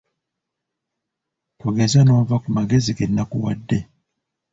Togeza n'ova ku magezi ge nakuwadde.